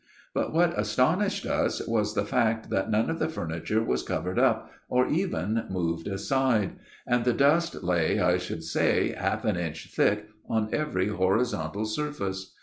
But what astonished us was the fact that none of the furni ture was covered up, or even moved aside ; and the dust lay, I should say, half an inch thick on every horizontal surface.